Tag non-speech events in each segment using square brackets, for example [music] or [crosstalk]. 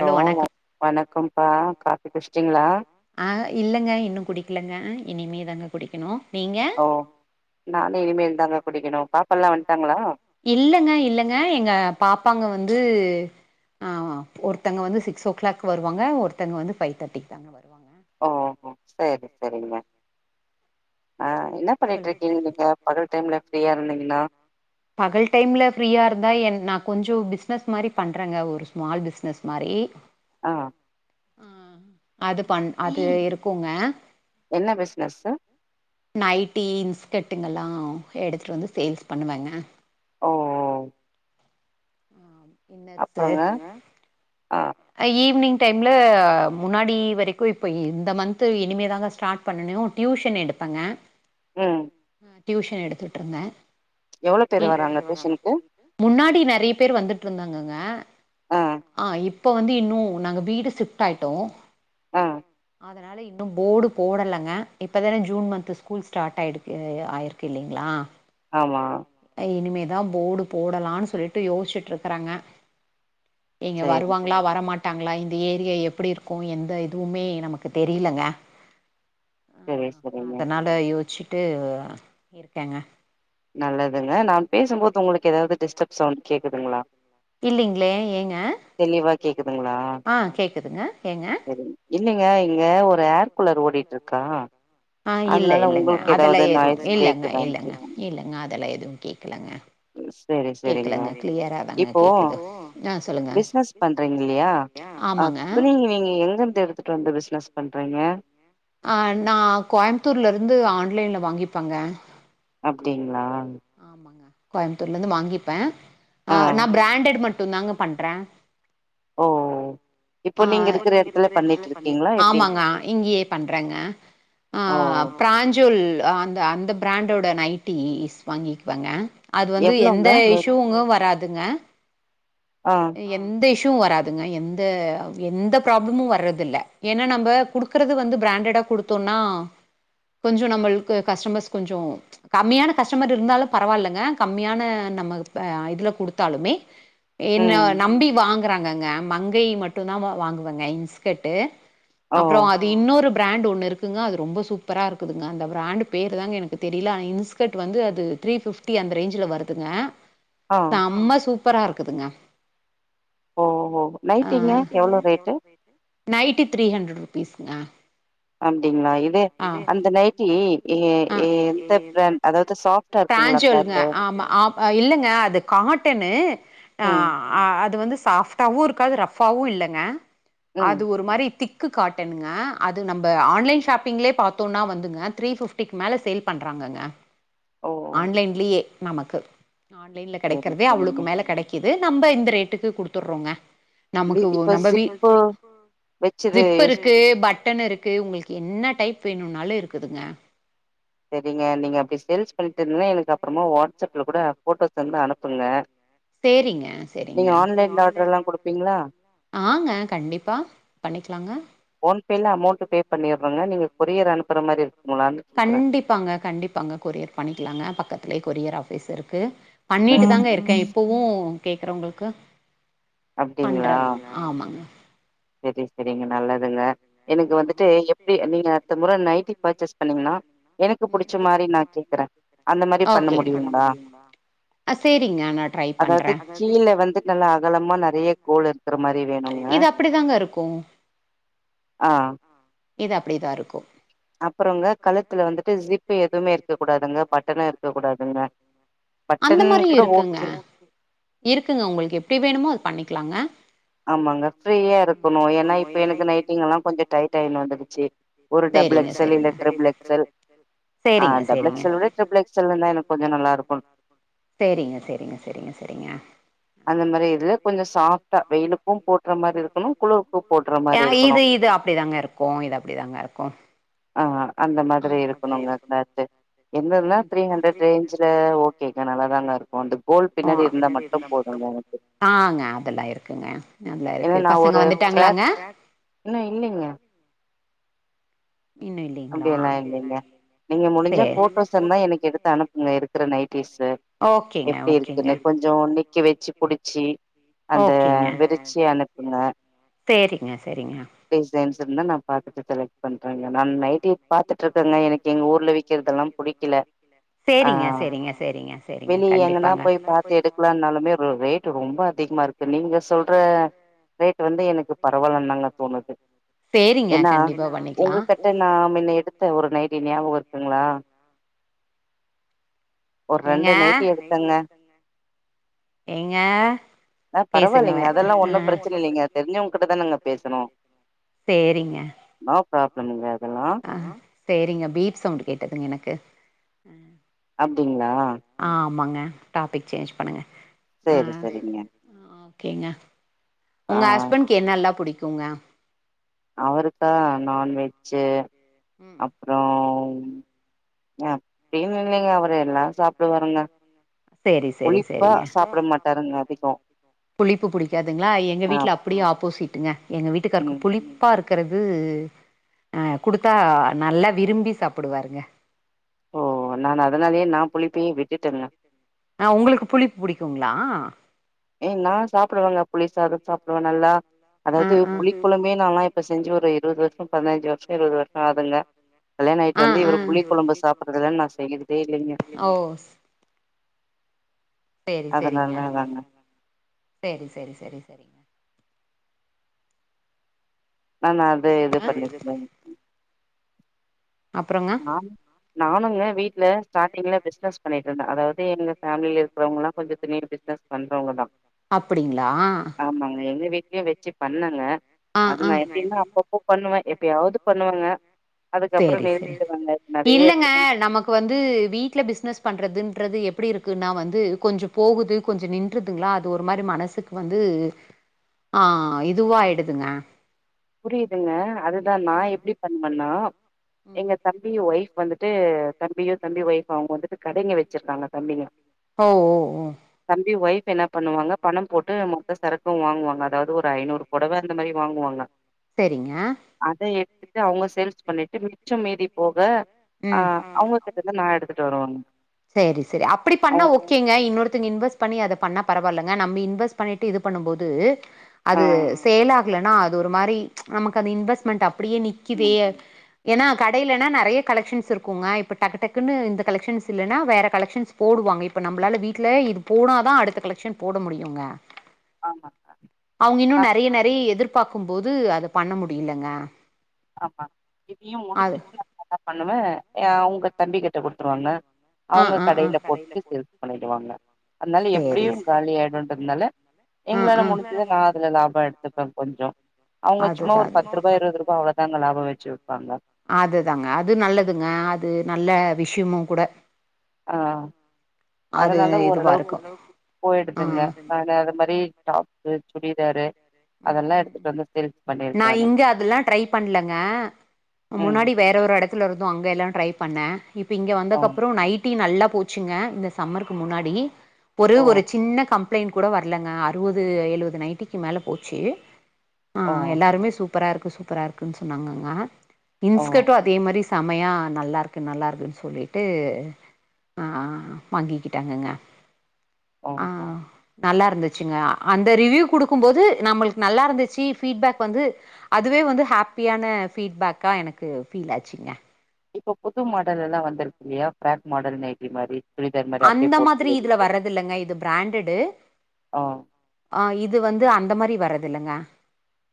Hello வ வணக்கம்ப்பா coffee குடிச்சிட்டீங்களா இனிமேதாங்க குடிக்கணு நீங்க ஓ நானு இனிமேல் தாங்க குடிக்கணு பாப்பல்லா வந்ட்டாங்களா இல்லங்க இல்லங்க எங்க பாப்பாங்க வந்து ஆஹ் ஒருத்தங்க வந்து சிக்ஸ்சோ கிளாக் வருவாங்க ஒருதங்க வந்து பைவ் தேர்டி தாங்க வருவாங் ஓ சேரி செ‌ரிங்க ஆ என்ன பண்ணிட்டு சொல்லுங்க இருக்கீங்க நீங்க பகல் டைம்ல ஃப்ரீயா இருந்தீங்னா பகல் டைம்ல ஃப்ரீயா இருந்தா என் நா கொஞ்சோ பிஸ்னஸ் மாரி பண்றேங்க ஒரு ஸ்மால் பிஸ்னஸ் மாரி ஆஹ் ஆஹ அது பண் அது இருக்குங்க என்ன [inaudible] நைட்டி இன்ஸ்கட்டுங்கெல்லா எடுத்துட்டு வந்து சேல்ஸ் பண்ணுவேங்க ஓ ஓ ஆம் அப்றங்க ஆ ஐ ஈவினிங் டைம்ல முன்னாடி வரைக்கு இப்ப இந்த மந்த் இனிமேதாங்க ஸ்டார்ட் பண்ணனு டியூஷன் எடுப்பங்க உம் அ டியூஷன் எடுத்துட்ற்ருந்தே பேர் வராங்க டியூஷனுக்கு முன்னாடி நெறைய பேர் வந்துட்ற்ருந்தாங்கங்க ங்க ஆஹ் இப்ப வந்து இன்னு நாங்க வீடு சிப்ட் ஆயிட்டோ ஆஹ் அதனால இன்னு போர்டு போடலங்க இப்பதானே ஜூன் மந்த் ஸ்கூல் ஸ்டார்ட் ஆயிடுக்கு ஆயிருக்கு இல்லைங்களா ஆமா தா போர்டு போடலனு சொல்லிட்டு யோச்சிட்டுருக்கறங்க நீங்க வரு சரி வருவாங்களா வரமாட் ட்டாங்களா இந்த ஏரியா எப்டி இருக்கோ எந்த இதுவுமே நமக்கு தெரிலங்க சரி சரிங்க அதனால யோச்சி ட்டு இருக்கேங்க நல்லதுங்க நான் பேசும்போது உங்களுக் ஏதாவது டிஸ்டப் சவுண்ட் கேக்குதுங்ளா இல்லிங்ளே ஏங்க கேக்குதுங்களா ஆஹ் கேக்குதுங்க ஏங்க இல்லிங்க இங்க ஒரு ஏர் கூலர் ஓடிட்ற்ருக்கா ஆஹ் இல்ல இல்லங்க அதெல்லா ஏது நாய்ஸ் இல்லங்க இல்லங்க இல்லங் அதலாம் எதுவும் கேக் சேரி சேரிங்க கிளியரா தாங்க இப்போ கேக்குது ஆ சொல்லுங்க பிசினஸ் பண்றீங்க இல்லிய ஆமாங்க துணிங்க நீங்க எங்கந்து எடுத்துட்டு வந்து பிசினஸ் பண் றீங்க அஹ் நான் கோயம்புத்தூர்ல இருந்து ஆன்லைன்ல வாங்கிப்பங்க அப்டிங்களா கோயம்புத்தூர்ல இருந்து வாங்கிப்பேன் ஆ ஆஹ் நான் பிராண்டெட் மட் மட்டுந்தாங்க பண்றன் ஓ இப்போ ஹ் இப்ப நீங்க எடத்துல இருக்கிற பண்ணிட்டு இடத்திலேயே பண்ணி இருக்கீங்களா எப்டி ஆமாங்க இங்கயே பண்றங்க ஓ ஆஹ் பிராஞ்சுவல் அந்த அந்த பிராண்டோட நைட்டிஸ் வாங்கிக்குவாங்க அது வந்து எவ்ளோங்க எந்த நெட் இஷூங்கும் வராது டுங்க ஆ எந்த இஷ் ஸ்யும் வராதுங்கா எந்த எந்த ப்ராபளமும் வரதில்ல ஏனா நம்ப குடுக்கிறத வந்து பிராண்டடா குடுத்தோம்னா கொஞ்சம் நம்மளுக்கு கஸ்டமர்ஸ் கொஞ்சம் கம்மியான கஷ் கஸ்டமர் இருந்தாலும் பரவாயில்லைங்க கம்மியான நம்ம இதுல குடுத்தாலுமே என்ன ம் நம்பி வாங் வாங்குறாங்கங்க மங்கை மட்டும் தான் வாங்குவங்க இன்ஸ்கட்டு் ஓ அப்புறம் அது இன்னொரு பிராண்ட் ஒன்னு இருக்குங்க அது ரொம்ப சூப்பரா இருக்குதுங்க அந்த பிராண்ட் பேரு தாங்க எனக்கு தெரியல ஆ இன்ஸ்கட் டு வந்து அது த்ரீ பிப்டி அந்த ரேஞ்ச்ல வருதுங்க ஆ செம்ம சூப் ப்பரா இருக்குதுங்க ஓஓ நைட்டிங்க எவ்ளோ ரேட்டு நைட்டி த்ரீ ஹண்ட்ரட் ருபீஸ்ங்க அப்டிங்களா இது அந்த நைட்டி எ எ எந்த பிராண்ட் அதா பிராஞ்சுவல்ங்க ஆமா ஆ இல்லங்க அது காட்டன்னு ம் ஆஹ் ஆஹ் அது வந்து சாஃப்டாவும் இருக்காது ரஃப்பாவும் இல்லங்க ம் அது ஒரு மாரி திக் க்கு காட்டன்ங்க அது நம்ப ஆன்லைன் ஷாப்பிங்ளே பாத்தோம்னா வந்துங்க த்ரீ ஃபிஃப்டிக்கு மேல சேல் பண்றாங்கங்க ஓ ஆன்லைன்லயே நமக்கு ஆன்லைன்ல சரி கிடைக்கறதே சரிங்க. அவ்ளுக்கு மேல கிடைக்கு து நம்ம இந்த ரேட்டுக்கு குடுத்துடுறோங்க இ நமக்கு இப்ப நம்ம ஜிப்பு வச்சது சிப் யூஸ் இருக்கு பட்டன் இருக்கு உங்களுக்கு என்ன டைப் எப்பணொ [unintelligible] நாளு இருக்குதுங்க சரிங்க நீங்க அப்படி சே பண்ணிட்டு இருந்தன்னா எனக்கு அப்புறமா வாட்ஸ்அப்ல கூட போட்டோஸ் வந்து அனுப்புங்க சேரிங்க சரிங்க நீங்க ஆன்லைன்ல ஆர்டர் எல்லா குடுப்பீங்களா? ஆங்க கன்டிபா பன்னிக்ளாங்க போன்பேல அமௌண்ட் பே பண்ணிடுறோங்க நீங்க கொரியர் அனுப்புற மாரி இருக்க [unintelligible] ப்பாங்க கண்டிப்பாங்க கொரியர் பண்ணிக்கலாங்க பக்கத்திலயே கொரியர் ஆபிஸ் இருக்கு பண்ணிட்டு ம் தாங்க இருக்கேன் இப்பவும் கேட்கறே உங்களுக்கு அப்டிங்களா பண்றங்க ஆமாங்க சரி சரிங்க நல்லதுங்க எனக்கு வந்துட்டு எப்படி நீங்க அடுத்த முறை நைட்டி பர்ச்சேஸ் பண்ணீங்கன்னா எனக்கு பிடிச்ச மாதிரி நான் கேக்குறேன் அந்த மாதிரி பண்ண முடியுங்களா ஆ சேரிங்க நா ட்ரை பண்றே அதாவது கீழ வந்து நல்லா அகலமா நிறைய கோள் இருக்கிற மாதிரி வேணுங்க அப்படி தாங்க இருக்கும் ஆ இது அப்படிதான் இருக்கும் அப்புறங்க கழுத்துல வந்துட்டு ஜிப் ப்பு எதுவுமே இருக்க கூடாதுங்க பட்டணும் இருக்க கூடாதுங்க அந்த பட்டன் மாதிரி கூட இருக்குங்க ஓகே இருக்குங்க உங்களுக்கு எப்படி வேணுமோ அது பண்ணிக்க இருக்கலாங்க ஆமாங்க ஃப்ரீயா இருக்கணும் ஏன்னா இப்ப எனக்கு நைட்டிங எல்லாம் கொஞ்சம் டைட் ஆயிடும் வந்து சே [inaudible] ஒரு டபள் எக்ஸெல் இல்ல ட்ரிபிள் எக்ஸெல் ஆ எக்ஸ்எல் டபள் எக்ஸெல் விட ட்ரிபிள் எக்ஸெல் எனக்கு கொஞ்சம் நல்லா இருக்கும் இருக்கு சேரிங்க சேரிங்க சேரிங்க சேரிங்க அந்த மாதிரி இதுல கொஞ்சம் சா வெயிலோ போட்டுற [unintelligible] மாரி இருக்கணும் குளுறுக்கும் போட்டுற மாரி இருக்கணும் மாரி ஹா இருக்கணு இது இது அப்படிதாங்க இருக்கும் இது அப்படி தாங்க இருக்கும் ஆஹ அந்த மாதிரி இருக்கணுங்க என்னதுன்னா த்ரீ ஹண்ட்ரட் ரேஞ்ச்ல ஓகேங்க நல்லாதாங்க இருக்கும் அந்த கோல் பின்னாடி இருந்தா மட்டும் போதுங்க எனக்கு ஆங்க அதெல்லா இருக்குங்க நல்லா ஏன்னா இருக்கு நா பசங்க ஒரு ஃப்ராக் வந்துட்டாங்களாங்க இன்னு இல்லைங்க இன்னு இல்லைங்களா அப்படிய எல்லாம் இல்லைங்க நீங்க முடிஞ்சா போட்டோஸ் இருந்தான் எனக்கு எடுத்து அனுப்புங்க இருக்கிற நைட்டிவ்ஸ் ஓகேங்க எப்படி ஓகேங்க இருக்குன்னு கொஞ்சம் நிக்கி வச்சு புடிச்சு அந்த ஓகேங்க விரிச்சி அனுப்புங்க சேரிங்க சேரிங்க டிசைன்ஸ் இருதா நா பார்த்தட்டு செலக்ட் பண்றாங்க என்னநை பாத்துட்டு இருக்கங்க எனக்கு எங்க ஊர்ல வக்கிறதுதெல்லாம் பிடிக்கல டிக்.. சரிங்க சரிங்க சரிங்க சரிங்க வெளிய எங்கன்னா கண்டிப்பாங்க [inaudible] போய் பாத்து எடுக்கலான்னாலுமே ரோ ரேட் ரொம்ப அதிகமா இருக்கு. நீங்க சொல்ற ரேட் வந்து எனக்கு பரவால்லன் தாங்க தோணுது. ம் [unintelligible] ஆ ஒரு ஏங்க ரெண்டு நைட்டி எடுத்தங்க ஏங்க ஆஹ் பரவால்லைங்க பரவாயில்லைங்க அதெல்லா ஒன்னு பிரச்சன இல்லைங்க தெரிஞ்சவங்ககிட்டதானங்க தானங்க பேசுனோ சேரிங்க பாக்கணுங்க அஹ் சேரிங்க பீப் சவுண்ட் கேட்டதுங்க எனக்கு உம் அப்டிங்களா ஆஹ் ஆமாங்க டாபிக் சேஞ்ச் பண்ணுங்க சேரி ஆஹ் சேரிங்க ஆஹ் கேங்க ஆ உங்க ஹஸ்பண்ட்க்கு என்னல்லா புடிக்கு ங்க அவருக்கா நான்வெ ஜ்ஜு ம் அப்றோ ம் அ அப்டின்னு இல்லங்க அவரு எல்லா சாப்டுவாருங்க செரி செரி புளிப்பா செரிங்க சாப்ட மாட்டாருங்க அதிகோ புளிப்பு புடிக்காதுங்களா எங்க ஆ வீட்ல அப்டியே ஆப்போசிட்டுங்க எங்க வீட்டுக்கார்க்கு ம் புளிப்பா இருக் கிறது அஹ் குடுத்தா நல்லா விரும்பி சாப்டுவாருங்க ஓ நான் அதனாலேயே நா புளி ப்பயே விட்டுட்டங்க ஆஹ் உங்களுக்கு புளிப்பு புடிக்குங்களா ம் நானு சாப்டுவங்க புளி சாதோ சாப்டுவே நல்லா அதாவது புளிக்கொழம்பே நால்லா இப்ப செஞ்சு ஒரு இருவது வருஷோ பதினஞ்சு வருஷோ இருவது வருஷோ ஆகுதுங்க கல்யாண ஆயிட்டு வந்து இவர் புளிக் கொழம்பு சாப்டுறது இல்லன்னு நா செய்யறதே இல்லைங்க ஓ செரி செரிங்க அதனால தாங்க செரி செரி செரி செரிங்க நா அது இது பண்ணிக்கிறே அப்புறங்க நானு நானுங்க வீ ட்ல ஸ்டார்டிங்ல பிஸ்னஸ் பண்ணிட்டு இருந்தே அதாவது எங்க ஃபேமிலில இருக்கறவங்கல்லா கொஞ்ச பெரிய பிசினஸ் பண்றவங்கதா அப்டிங்களா [unintelligible] வச்சி பண்ணங்க ஆ அது ஆ நா எப்டின்னா அப்பப்போ பண்ணுவே எப்பயாவது பண்ணுவேங்க அதுக்கப்புற சேரி நே சேரி இல்லங்க நமக்கு வந்து வீட்ல பிசினஸ் பண்றதுன் ன்றது எப்டி இருக்குன்னா வந்து கொஞ்ச போகுது கொஞ்ச நின்றுதுங்களா அது ஒரு மாரி மனசுக்கு வந்து ஆஹ இதுவாயிடு துங்க புரியுதுங்க அதுதா நா எப்டி பண்வன்னா ம் எங்க தம்பி ஒய்ஃப் வந்துட்டு தம்பியு தம்பி ஒய்ஃப்பூ அவுங்க வந்துட்டு கடைங்க வச்சிருக்காங்க தம்பிங்க ஓ ஓ ஓ தம்பி ஒய்ஃப் என்ன பண்ணுவாங்க பணம் போட்டு மொத்த சரக்கு வாங்குவாங்க அதாவது ஒரு ஐநூறு புடவ அந்த மாரி வாங்குவாங்க செரிங்க [unintelligible] அவுங்க சேல்ஸ் பண்ணிட்டு மிச்சம் மீதீ போக ஆ ம் அவங்க கிட்டருந்து நான் எடுத்துட்டு வருவேங்க. செரி செரி அப்டி பண்ணா அவ் ஓகேங்க இன்னொருத்தங்க இன்வெஸ்ட் பண்ணி அத பண்ணா பரவால்லங்க நம்ம இன்வெஸ்ட் பண்ணிட்டு இது பண்ணும்போது ஆ அது சேலா கலனா அது ஒரு மாரி நமக்கு அந்த இன்வெஸ்ட்மெண்ட் அப்டியே நிக்குதே ம் ஏன்னா கடையிலனா நெறைய கலெக்ஷன்ஸ் இருக்குங்க இப்போ டக்கு டக்குன்னு இந்த கலெக்ஷன்ஸ் இல்லன்னா வேற கலெக்ஷன்ஸ் போடுவாங்க இப்போ நம்மளால வீட்ல இது போனா தா அடுத்த கலெக்ஷன் போட முடியுங்க ஆமாங்க. அவுங்க இன்னு நான் நெறைய நெறை எதிர்ப் பாக்கும்போது அத பண்ண முடியலங்க ஆமா அது [inaudible] பண்ணுவ எ உங்க தம்பி கிட்ட குடுத்துருவங்க ஆ அவுங்க ஆ ஆ கடையில போட்டு சேல்ஸ் பண்ணிடுவாங்க அதனால போட்டு எப்டியு காலி ஆயிடுன்றதுனால எங்களால முடிஞ்ச்சத நா அதுல லாப எடுத்துப்பே கொஞ்சோ அவுங்க சும்மா ஒரு அவங்க பத்ரூபா இருவது ரூபா அதுதாங்க அது நல்லதுங்க அது நல்ல விஷயமு கூட ஆஹ் அது அதனால இதுவா ஓரளவுக்கு இருக்கு ஆ போயிடுதுங்க ஆனா அது மாரி டாப்பு சுடிதாரு அதெல்லா எடுத்துட்டு வந்து சேல்ஸ் நா பண்ணிருக்கறானுங்க இங்க அதெல்லா ட்ரை பண்ணலங்க ம் முன்னாடி வேற ஒரு எடத் த்துல இருந்தோ அங்க எல்லா ட்ரை பண்ணே இப்ப இங்க ஓ வந்தக்க அப்புற நைட் டி நல்லா போச்சுங்க இந்த சம்மருக்கு முன்னாடி ஒரு ஓ ஒரு சின்ன கம் பிளைன் கூட வரலங்க அறுவது எலுவது நைட்டிக்கு மேல போது ச்சு ஓ ஆஹ் எல்லாருமே சூப் பரா இருக்கு சூப்பரா இருக்குன்னு சொன்னாங்கங்கா ஓ இன்ஸ்கர்ட்டு அதே மாரி செமையா நல்லாருக்கு நல்லாருக்குன்னு சொல்லிட்டு ஆ வாங்கிக்கிட்டாங்கங்க ஆ ஓஹோ நல்லா இருந்துச்சுங்க அந்த ரிவ்யூ குடுக்கும் போது நம்மளுக்கு நல்லா இருந்துச்சு ஃபீட்பேக் வந்து அதுவே வந்து ஹாப்பியான ஃபீட்பேக்கா எனக்கு ஃபீல் ஆச்சுங்க இப்ப புது மாடல் எல்லா வந்திருக்கு இல்லையா ஃபிராக் மாடல் நைட்டி மாரி சுடிதார் மாரி அப்டியே அந்த மாதிரி போட்டுட்டு வெளிய இதுல போறது வரது இல்லைங்க இது பிராண்டடு ஓ ஆ இது வந்து அந்த மாரி வர்ற து இல்லங்கா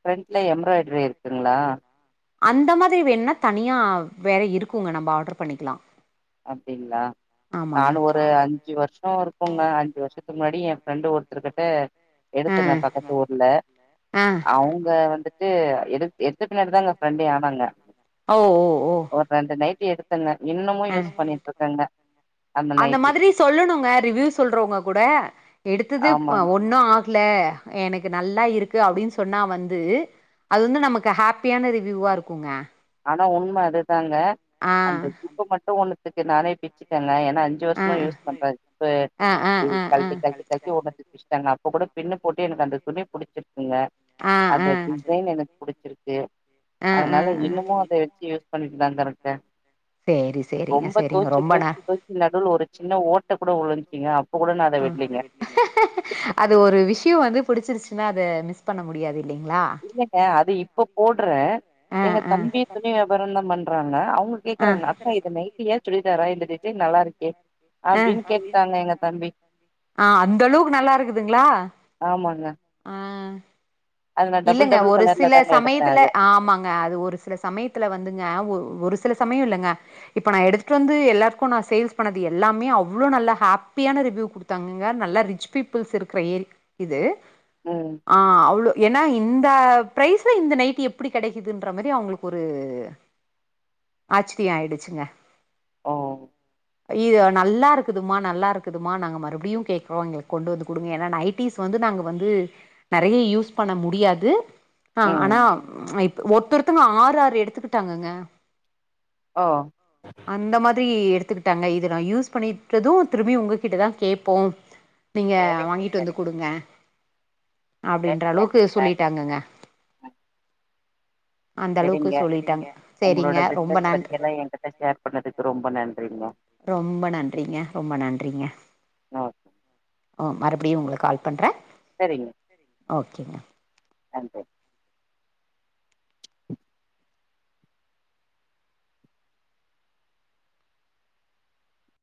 ஃப்ரன்ட்ல எம்ப்ராய்டரி இருக்குங்களா அந்த மாதிரி வேணுனா தனியா வேற இருக்குங்க நம்ப ஆர்டர் பண்ணிக்கலா அப்டிங்களா ஆமாங்க நானு ஒரு அஞ்சு வருஷோ இருக்குங்க அஞ்சு வருஷத்துக்கு முன்னாடி என் ஃபிரெண்டு ஒருத்தர்கிட்ட ஆ எடுத்தங்க பக்கத்து ஊர்ல ஆ அவங்க வந்துட்டு எடு எடுத்ததுனாலதாங்க ஃப்ரெண்டே ஆனாங்க ஓ ஓ ஓ டி எடுத்தங்க இன்னமு யூஸ் பண்ணிட்டு இருக்கங்க அந்த மாதிரி சொல்லணுங்க ரிவ்யூ சொல்றவங்க கூட எடுத்தது ஆ ஆமாங்க ஒன்னு ஆ கல எனக்கு நல்லா இருக்கு அப்டின்னு சொன்னா வந்து அது வந்து நமக்கு ஹாப்பியான ரிவியூவா இருக்குங்க ஆனா உண்மை அது தாங்க ஆ அந்த ஷிப்பு மட்டு ஒண்ணு பிஞ்சிருச்சு நானே பிச்சுட்டேங்க ஏன் னா அஞ்சு ஆ வருஷமா யூஸ் பண்ற இப்ப ஆ ஆ இது ஆ ஆ ஆ கழட்டி கழட்டி கழட்டி ஒன்னுத்துல பிச்சுட்டங்க இப்ப கூட பின்னு போட்டு எனக்கு அந்த துணி புடிச்சிருக் குங்க ஆ அந்த டிசைன் எனக்கு புடிச் சிருக்கு ஆஹ் ஆஹ் ஆஹ் மு அத வச்சு யூஸ் பண்ணிட்டுதாங்க இருக்கே சேரி சேரிங்க ரொம்ப சேரிங்க தொவச்சு ரொம்ப ந தொவச் தொவச்சு நடுவுல ஒரு சின்ன ஓட் ட கூட வுழுந்திருச்சுங்க அப் [inaudible] அது ஒரு விஷயம் வந்து பிடிச்சிருச்சுன்னா அதை மிஸ் பண்ண முடியாது இல்லைங்களா இல்லங்க அது இப்ப போடுறேன் ஆ எங்க ஆ தம்பி துணி வியாபாரம் தான் பண் [inaudible] ஆ கேடக்குறாங்க அப்பா இது நைட்டியா சுடிதாரா இது இது நல்லா இருக்கே அப்டின்னு ஹ்ஹ கேட்டுட்டாங்க எங்க தம்பி அந்த அளவுக்கு நல்லா இருக்குதுங்களா ஆமாங்க ஆஹ் அது நா டபுள் இல்லங்க டபுள் ஒரு கலர்ல சில தாங்க எடுத்தே சமயத்துல அது ஆமாங்க அது ஒரு சில சமயத்துல வந்துங்க ஒரு சில சமயம் இல்லைங்க இப்ப நான் எடுத்துட்டு வந்து எல்லாருக்கும் நான் சேல்ஸ் பண்ணது எல்லாமே அவ்ளோ நல்ல ஹாப்பியான ரிவ் குடுத்தாங்கங்க நல்ல ரிச் பீபுள்ஸ் இருக்கர ஏரியா இது ம் ஆஹ் அவ்ளோ இந்த பிரைஸ்ல இந்த நைட் எப்படி கிடைக்குதுன்ற மாதிரி அவங்களுக்கு ஒரு ஆச்சரிய ஆயிடுச்சுங்க ஓ [inaudible] இது நல்லா இருக்குதுமா நல்லா இருக்குதுமா நாங்க மறுபடியும் கே்கறோம் எங்களுக்கு கொண்டு வந்து கொடுங்க ஏன்னா நைடீஸ் வந்து நாங்க வந்து நிறைய யூஸ் பண்ண முடியாது ஆஹ் ம் ஆனா ஒருத்தருத்தங்க ஆறு ஆறு எடுத்துக்கிட்டாங்கங்க ஓ அந்த மாதிரி எடுத்து க்கிட்டாக இது யூஸ் பண்ணிட்டதும் திரும்பி உங்ககிட்ட தான் கேட்போம் நீங்க சரிங்க வாங்கிட்டு வந்து சரிங்க கொடுங்க அப்படின்ற சரிங்க அளவுக்கு ஆ சொல்லிட்டாங்கங்க ஆ. அந்த அளவுக்கு சரிங்க சொல்லிட்டேங்க சரிங்க உங்களோட ரொம்ப பிசினஸ் நன்றி பத்தி எல்லா என்கிட்ட ஷேர் பண்ணதுக்கு ரொம்ப நன்றிங்க ரொம்ப நன்றிங்க ரொம்ப நன்றிங்க ஓ ஓ மறுபடியும் உங்களுக்கு கால் பண்ணுறேன் சரிங்க [unintelligible] ஓகேங்க அன்பே [inaudible]